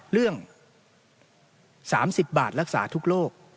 เรื่อง๓๐บาทรักษาทุกโรค